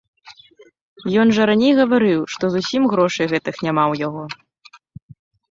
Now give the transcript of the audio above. Ён жа раней гаварыў, што зусім грошай гэтых няма ў яго.